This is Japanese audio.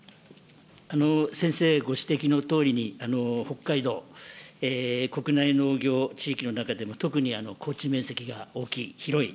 先生、ご指摘のとおりに、北海道、国内農業地域の中でも特に耕地面積が大きい、広い。